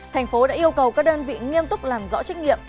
thành phố đã yêu cầu các đơn vị nghiêm túc làm rõ trách nhiệm